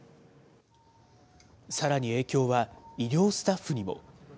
さらに影響は医療スタッフにも。